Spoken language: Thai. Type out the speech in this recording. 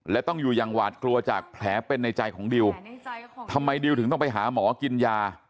และต้องอยู่อย่างหวาดกลัวจากแผลเป็นในใจของดิวทำไมดิวถึงต้องไปหาหมอกินยา